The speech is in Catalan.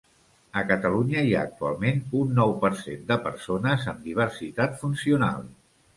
A Catalunya hi ha actualment un nou per cent de persones amb diversitat funcional.